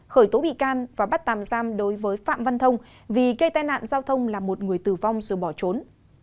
khởi tố bị can và bắt tạm giam đối với phạm văn thông vì gây tai nạn giao thông là một người tử vong rồi bỏ trốn